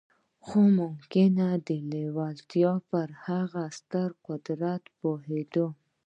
خو ممکن د لېوالتیا پر هغه ستر قدرت نه پوهېده